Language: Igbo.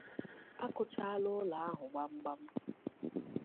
a kụchaala ụlọ ahụ gbamgbam